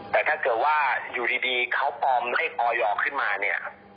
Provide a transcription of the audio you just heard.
แต่ถ้าเกิดว่าอยู่ดีเขาปลอมให้ออยขึ้นมาเนี่ย